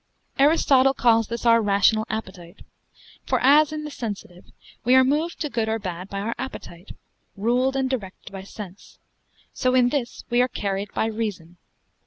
Aristotle calls this our rational appetite; for as, in the sensitive, we are moved to good or bad by our appetite, ruled and directed by sense; so in this we are carried by reason.